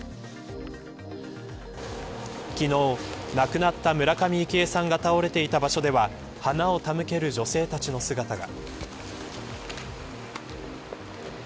昨日、亡くなった村上幸枝さんが倒れていた場所では花を手向ける女性たちの姿が。